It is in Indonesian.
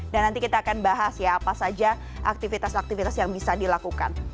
dan nanti kita akan bahas ya apa saja aktivitas aktivitas yang bisa dilakukan